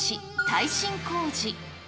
耐震工事。